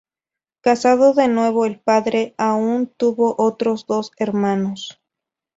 Casado de nuevo el padre, aún tuvo otros dos hermanos.